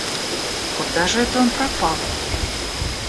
Куда же это он пропал?